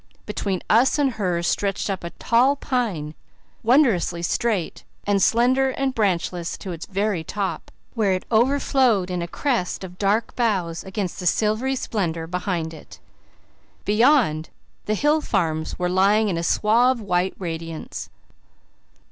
Between us and her stretched up a tall pine, wondrously straight and slender and branchless to its very top, where it overflowed in a crest of dark boughs against the silvery splendour behind it. Beyond, the hill farms were lying in a suave, white radiance.